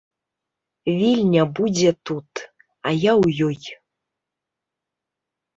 Вільня будзе тут, а я ў ёй.